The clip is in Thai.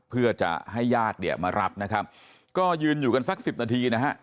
เพื่อจะให้ญาติเนี่ยมารับนะครับก็ยืนอยู่กันสักสิบนาทีนะฮะ